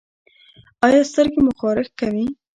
ایا سترګې مو خارښ کوي؟